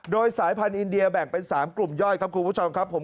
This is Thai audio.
โดยสายพันธุ์อินเดียแบ่งเป็น๓กลุ่มย่อยครับคุณผู้ชมครับผม